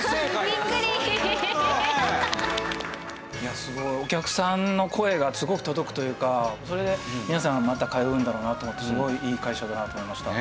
すごいお客さんの声がすごく届くというかそれで皆さんがまた通うんだろうなと思ってすごいいい会社だなと思いました。